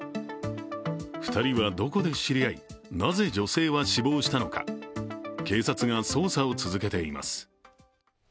２人はどこで知り合い、なぜ女性は死亡したのか警察が捜査を続けています。